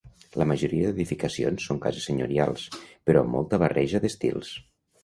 La majoria d'edificacions són cases senyorials, però amb molta barreja d'estils.